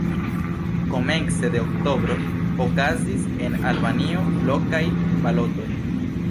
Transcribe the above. Komence de oktobro okazis en Albanio lokaj balotoj.